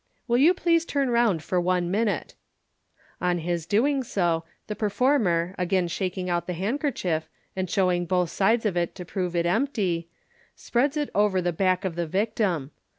Will you please turn round for one minute." On his doing so, the performer, again shaking out the handkerchief, and showing both sides of it to prove it empty, spreads it over the back of the victim.